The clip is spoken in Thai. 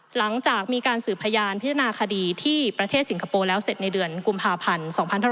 หลังจากมีการสืบพยานพิจารณาคดีที่ประเทศสิงคโปร์แล้วเสร็จในเดือนกุมภาพันธ์๒๕๖๒